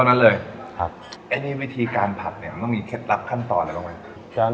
มันต้องมีข้างลับขั้นตอนอะไรบ้างไหม